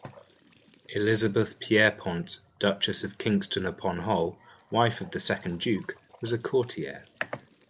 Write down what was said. Elizabeth Pierrepont, Duchess of Kingston-upon-Hull, wife of the second Duke, was a courtier.